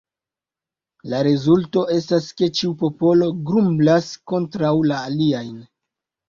La rezulto estas ke ĉiu popolo grumblas kontraŭ la aliajn.